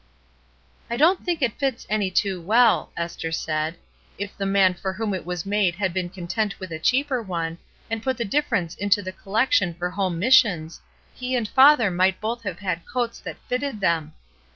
"I don't thmk it fits any too well/' Esther 340 ESTER RIED^S NAMESAKE said. "If the man for whom it was made had been content with a cheaper one, and put the difference into the collection for home missions, he and father might both have had coats that fitted them.